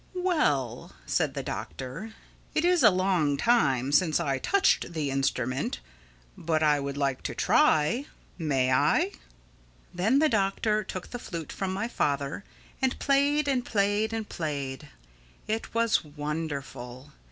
"Well," said the Doctor, "it is a long time since I touched the instrument. But I would like to try. May I?" Then the Doctor took the flute from my father and played and played and played. It was wonderful.